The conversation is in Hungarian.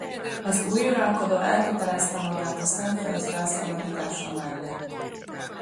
Az új uralkodó elkötelezte magát a Szentföld felszabadítása mellett.